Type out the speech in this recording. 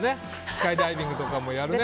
スカイダイビングとかもね。